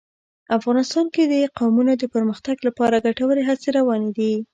افغانستان کې د قومونه د پرمختګ لپاره ګټورې هڅې روانې دي.